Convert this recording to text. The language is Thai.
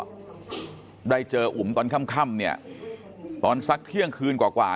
ได้เจออุ๋มตอนค่ำเนี่ยตอนสักเที่ยงคืนกว่ากว่า